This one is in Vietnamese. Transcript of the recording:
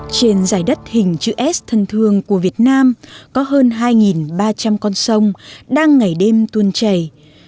trên giải đất hình chữ s thân thương của việt nam có hơn hai ba trăm linh con sông đang ngày đêm tuôn chảy